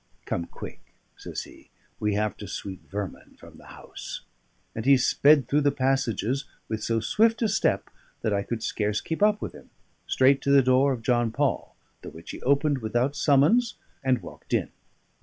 "Come quick," says he; "we have to sweep vermin from the house." And he sped through the passages, with so swift a step that I could scarce keep up with him, straight to the door of John Paul, the which he opened without summons and walked in.